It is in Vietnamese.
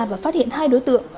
và phát hiện hai đối tượng